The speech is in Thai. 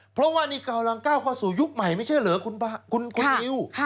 เพราะว่านี่กำลังก้าวเข้าสู่ยุคใหม่ไม่ใช่เหรอคุณนิว